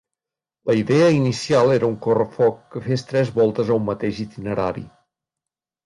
La idea inicial era un correfoc que fes tres voltes a un mateix itinerari.